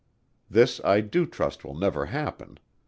This I do trust will never happen.